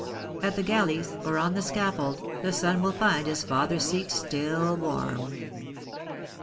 At the galleys or on the scaffold the son will find his father's seat still warm."